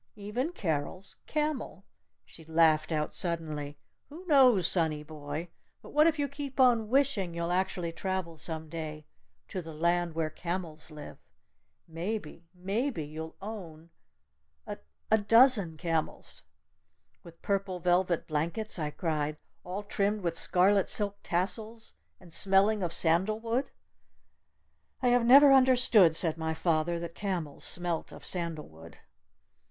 Even Carol's camel," she laughed out suddenly. "Who knows, sonny boy but what if you keep on wishing you'll actually travel some day to the Land Where Camels Live? Maybe maybe you'll own a a dozen camels?" "With purple velvet blankets?" I cried. "All trimmed with scarlet silk tassels? And smelling of sandalwood?" "I have never understood," said my father, "that camels smelt of sandalwood."